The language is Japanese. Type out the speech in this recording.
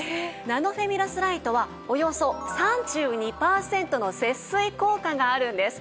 ナノフェミラスライトはおよそ３２パーセントの節水効果があるんです。